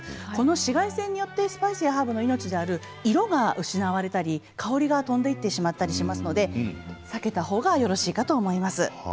紫外線ってスパイスやハーブの命である色が失われたり香りが飛んでいってしまったりするので避けたほうがよろしいかと思います。